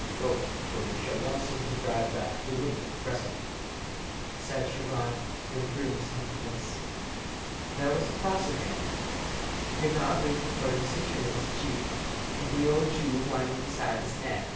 "No, for we shall want him to drive back the wounded presently," said Chauvelin, with grim significance. There was a pause again—Desgas, waiting for the decision of his chief, and the old Jew whining beside his nag.